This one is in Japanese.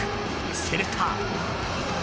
すると。